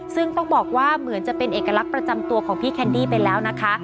ซึ่งต้องบอกว่าเหมือนจะเป็นเอกลักษณ์ประจำตัวของพี่แคนดี้ไปแล้วนะคะ